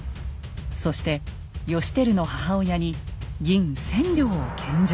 そして義輝の母親に銀千両を献上します。